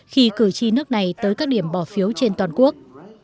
khi cử tri nước này tới các điểm bỏ phiếu trên toàn quốc